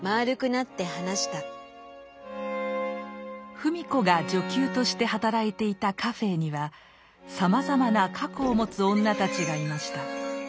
芙美子が女給として働いていたカフェーにはさまざまな過去を持つ女たちがいました。